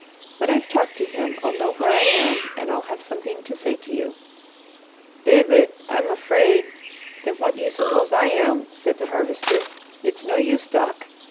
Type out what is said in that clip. When I've talked to him, I'll know where I am and I'll have something to say to you." "David, I'm afraid " "Then what do you suppose I am?" said the Harvester. "It's no use, Doc.